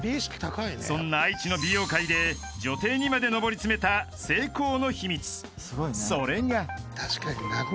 ［そんな愛知の美容界で女帝にまで上り詰めた成功の秘密それが］